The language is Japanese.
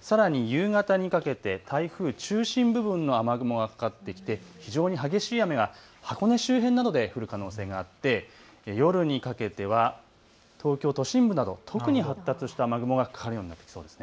さらに夕方にかけて台風中心部分の雨雲がかかってきて非常に激しい雨が箱根周辺などで降る可能性があって夜にかけては、東京都心部など特に発達した雨雲がかかるようになってきそうです。